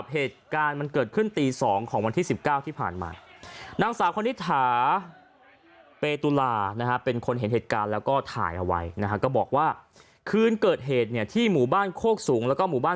เหตุการณ์มันเกิดขึ้นตี๒ของวันที่๑๙ที่ผ่านมา